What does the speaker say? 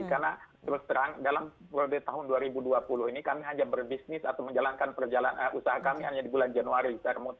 karena terus terang dalam tahun dua ribu dua puluh ini kami hanya berbisnis atau menjalankan perjalanan usaha kami hanya di bulan januari